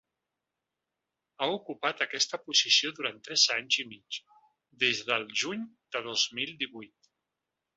Ha ocupat aquesta posició durant tres anys i mig, des del juny de dos mil divuit.